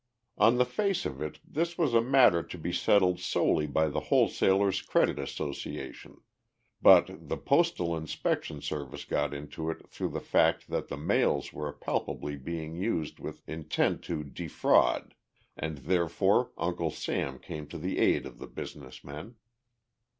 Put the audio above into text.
On the face of it this was a matter to be settled solely by the Wholesalers' Credit Association, but the Postal Inspection Service got into it through the fact that the mails were palpably being used with intent to defraud and therefore Uncle Sam came to the aid of the business men.